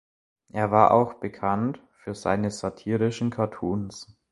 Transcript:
Er war auch bekannt für seine satirischen Cartoons.